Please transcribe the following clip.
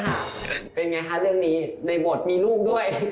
เป็นไงคะเรื่องนี้ในบทมีลูกด้วย